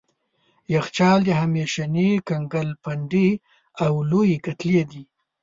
یخچال د همیشني کنګل پنډې او لويې کتلې دي.